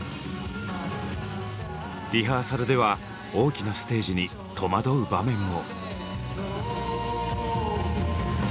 リハーサルでは大きなステージに戸惑う場面も。